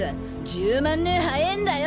１０万年早ぇんだよ！